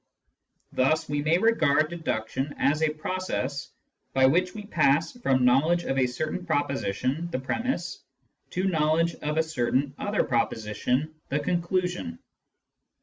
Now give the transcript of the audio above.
Thus we may regard deduction as a process by which we pass from knowledge of a certain proposition, the premiss, to knowledge of a certain other proposition, the conclusion.